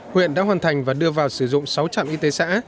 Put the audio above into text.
huyện đã hoàn thành và đưa vào sử dụng sáu trạm y tế xã